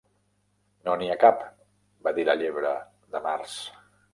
"No n'hi ha cap", va dir la Llebre de Març.